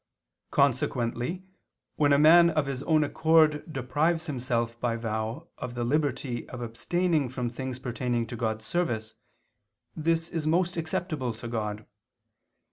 Consequently when a man of his own accord deprives himself by vow of the liberty of abstaining from things pertaining to God's service, this is most acceptable to God.